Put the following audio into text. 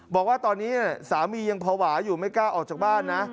บอกว่าตอนนี้สามียังภาวะอยู่ไม่กล้าออกจากบ้านนะ